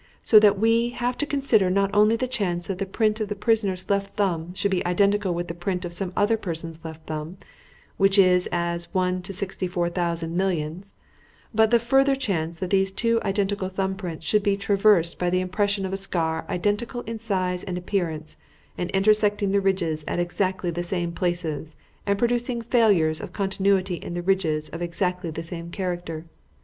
So that we have to consider not only the chance that the print of the prisoner's left thumb should be identical with the print of some other person's left thumb which is as one to sixty four thousand millions but the further chance that these two identical thumb prints should be traversed by the impression of a scar identical in size and appearance, and intersecting the ridges at exactly the same places and producing failures of continuity in the ridges of exactly the same character.